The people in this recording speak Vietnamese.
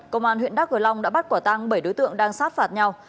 công an huyện đắk cờ long đã bắt quả tăng bảy đối tượng đang sát phạt nhau